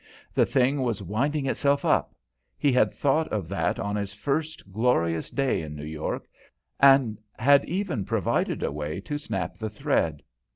The thing was winding itself up; he had thought of that on his first glorious day in New York, and had even provided a way to snap the thread.